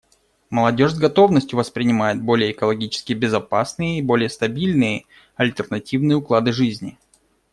Молодежь с готовностью воспринимает более экологически безопасные и более стабильные альтернативные уклады жизни.